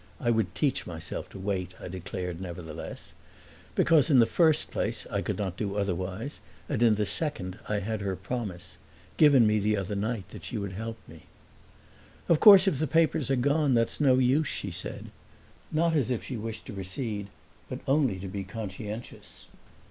I would teach myself to wait, I declared nevertheless; because in the first place I could not do otherwise and in the second I had her promise, given me the other night, that she would help me. "Of course if the papers are gone that's no use," she said; not as if she wished to recede, but only to be conscientious.